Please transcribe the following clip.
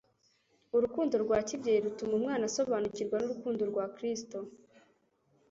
Urukundo rwa kibyeyi rutuma umwana asobanukirwa n'urukundo rwa Kristo;